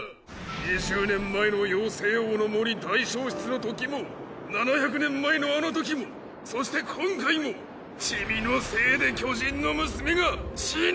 ２０年前の妖精王の森大焼失のときも７００年前のあのときもそして今回もチミのせいで巨人の娘が死ぬ！